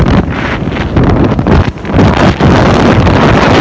เมื่อเกิดขึ้นมันกลายเป้าหมายเป้าหมาย